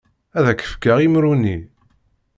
Ad ak-fkeɣ imru-nni.